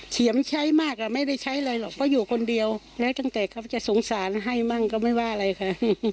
เสียมใช้มากอ่ะไม่ได้ใช้อะไรหรอกเพราะอยู่คนเดียวแล้วตั้งแต่เขาจะสงสารให้มั่งก็ไม่ว่าอะไรค่ะ